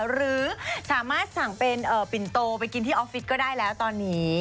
หรือสามารถสั่งเป็นปิ่นโตไปกินที่ออฟฟิศก็ได้แล้วตอนนี้